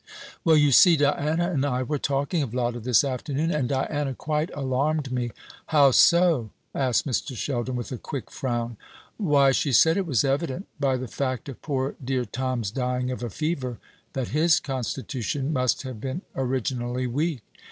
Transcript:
"Well, you see, Diana and I were talking of Lotta this afternoon, and Diana quite alarmed me." "How so?" asked Mr. Sheldon, with a quick frown. "Why, she said it was evident, by the fact of poor dear Tom's dying of a fever, that his constitution must have been originally weak.